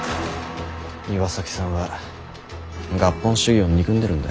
岩崎さんは合本主義を憎んでるんだ。